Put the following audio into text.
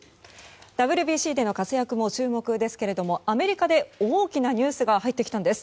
ＷＢＣでの活躍も注目ですがアメリカで大きなニュースが入ってきたんです。